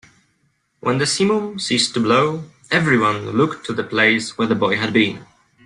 When the simum ceased to blow, everyone looked to the place where the boy had been.